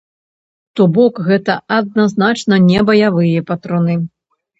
То бок гэта адназначна не баявыя патроны.